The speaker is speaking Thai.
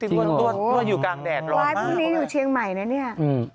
หัวอยู่กลางแดดร้อนมาก